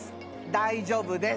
大丈夫です